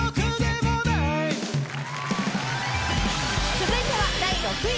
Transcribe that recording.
［続いては第６位。